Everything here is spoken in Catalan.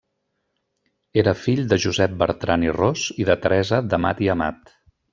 Era fill de Josep Bertran i Ros i de Teresa d'Amat i Amat.